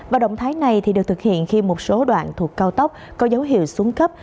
và động thái này được thực hiện khi một số đoạn thuộc cao tốc có dấu hiệu xuống cấp